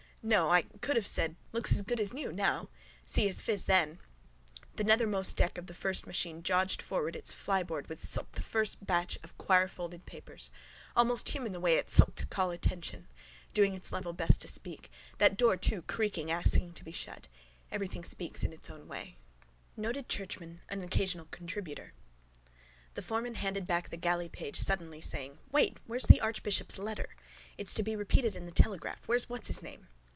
No. I could have said. Looks as good as new now. See his phiz then. Sllt. The nethermost deck of the first machine jogged forward its flyboard with sllt the first batch of quirefolded papers. Sllt. Almost human the way it sllt to call attention. Doing its level best to speak. That door too sllt creaking, asking to be shut. Everything speaks in its own way. Sllt. NOTED CHURCHMAN AN OCCASIONAL CONTRIBUTOR The foreman handed back the galleypage suddenly, saying: —Wait. Where's the archbishop's letter? It's to be repeated in the Telegraph. Where's what's his name?